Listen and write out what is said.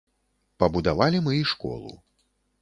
Пабудавалі мы і школу.